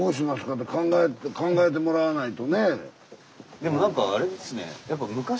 でもなんかあれですね